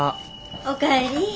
おかえり。